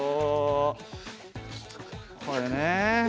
これね。